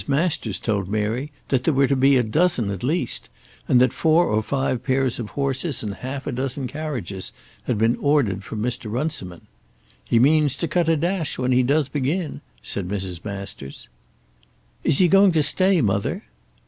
Masters told Mary that there were to be a dozen at least, and that four or five pairs of horses and half a dozen carriages had been ordered from Mr. Runciman. "He means to cut a dash when he does begin," said Mrs. Masters. "Is he going to stay, mother?"